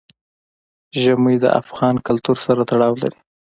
ژمی د افغان کلتور سره تړاو لري.